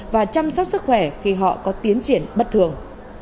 và chăm sóc sức khỏe khi họ có tiến triển bất thường